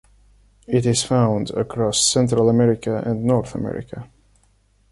It is found across Central America and North America.